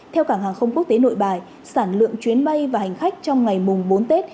theo cảng hàng không quốc tế nội bài sản lượng chuyến bay và hành khách trong ngày mùng bốn tết